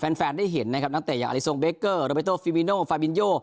แฟนแฟนได้เห็นนะครับนักเตะอย่างทรงเบคเกอร์โรเบโตฟิลวิโนฟาบินโย